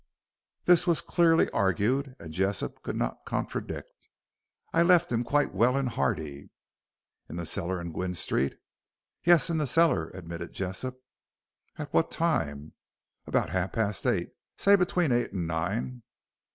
This was clearly argued, and Jessop could not contradict. "I left him quite well and hearty." "In the cellar in Gwynne Street?" "Yes, in the cellar," admitted Jessop. "At what time?" "About half past eight say between eight and nine."